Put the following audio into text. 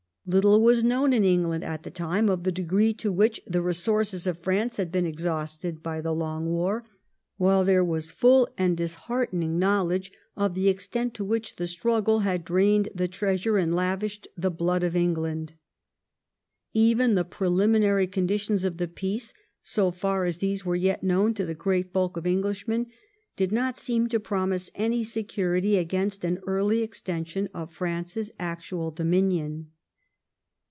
Little was known in England, at tbe time, of the degree to which the resources of France had been exhausted by the long war, while there was full and disheartening know ledge of the extent to which the struggle had drained the treasure and lavished the blood of England. Even the preliminary conditions of the peace, so far as these were yet known to the great bulk of Englishmen, did not seem to promise any security against an early extension of France's actual do minion.